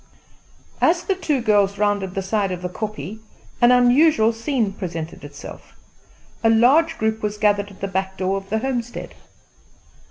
As the two girls rounded the side of the kopje, an unusual scene presented itself. A large group was gathered at the back door of the homestead.